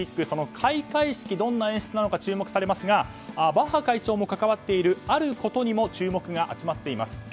その開会式がどんな演出なのか注目されますがバッハ会長も関わってるあることにも注目が集まっています。